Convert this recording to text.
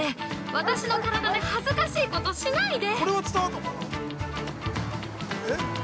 私の体で恥ずかしいことしないで！